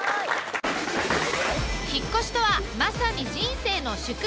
引っ越しとはまさに人生の縮図。